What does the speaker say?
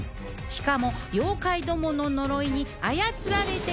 しかも妖怪どもの呪いに操られていたのである！